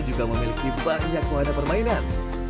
juga memiliki banyak wahana permainan